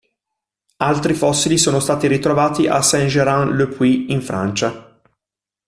Altri fossili sono stati ritrovati a Saint-Gérand-le-Puy, in Francia.